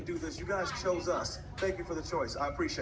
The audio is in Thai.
ตกไม่สวยให้ออสการ์ฟปีนี้